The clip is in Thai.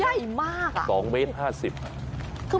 ใหญ่มากอ่ะ๒เมตร๕๐กิโลกรัม